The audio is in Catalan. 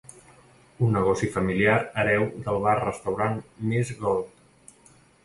Un negoci familiar hereu del bar restaurant ‘Mes Gold’